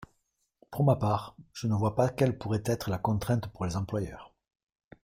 Pour ma part, je ne vois pas quelle pourrait être la contrainte pour les employeurs.